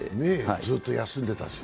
ずっと休んでたし。